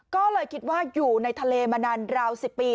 ก็เลยคิดว่าอยู่ในทะเลมานานราว๑๐ปี